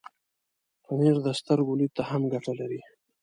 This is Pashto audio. پنېر د سترګو لید ته هم ګټه لري.